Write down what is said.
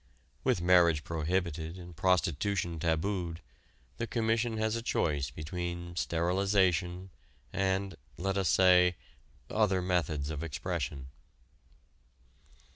With marriage prohibited and prostitution tabooed, the Commission has a choice between sterilization and let us say other methods of expression.